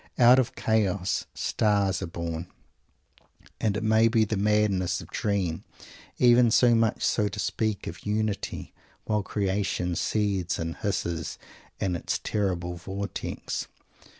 Out of chaos stars are born. And it may be the madness of a dream even so much as to speak of "unity" while creation seethes and hisses in its terrible vortex.